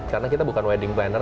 karena kita bukan wedding planner